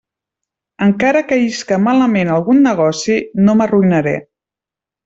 Encara que isca malament algun negoci, no m'arruïnaré.